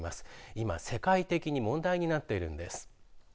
今、世界的に問題になっているんです。